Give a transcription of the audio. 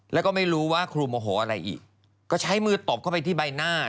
แล้วก็ไม่รู้ว่าครูโมโหอะไรอีกก็ใช้มือตบเข้าไปที่ใบหน้า